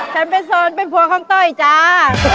ฉันเป็นโซนเป็นผัวของต้อยจ้า